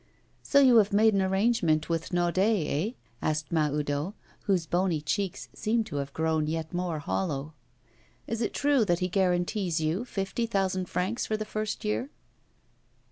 'So you have made an arrangement with Naudet, eh?' asked Mahoudeau, whose bony cheeks seemed to have grown yet more hollow. 'Is it true that he guarantees you fifty thousand francs for the first year?